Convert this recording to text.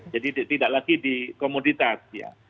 jadi tidak lagi dikomoditas ya